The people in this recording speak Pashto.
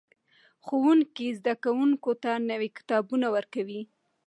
ښوونکي زده کوونکو ته نوي کتابونه ورکوي.